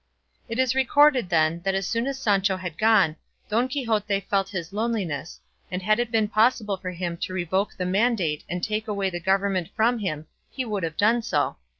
It is recorded, then, that as soon as Sancho had gone, Don Quixote felt his loneliness, and had it been possible for him to revoke the mandate and take away the government from him he would have done so.